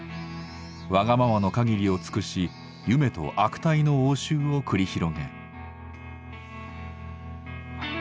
わがままの限りを尽くしゆめと悪態の応酬を繰り広げる。